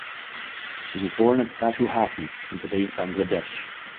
He was born at Sadhuhati in today's Bangladesh.